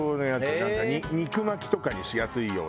なんか肉巻きとかにしやすいように。